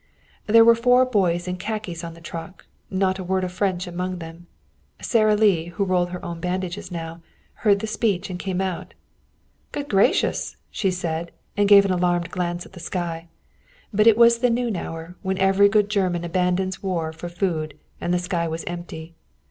There were four boys in khaki on the truck, and not a word of French among them. Sara Lee, who rolled her own bandages now, heard the speech and came out. "Good gracious!" she said, and gave an alarmed glance at the sky. But it was the noon hour, when every good German abandons war for food, and the sky was empty.